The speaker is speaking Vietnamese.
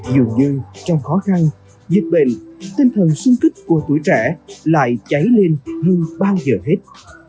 dù như trong khó khăn dịch bệnh tinh thần sung kích của tuổi trẻ lại cháy lên hơn bao giờ hết